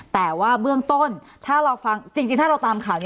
แต่ว่าเมื่องต้นจริงถ้าเราตามข่าวนี้